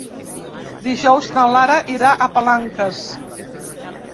Dijous na Lara irà a Palanques.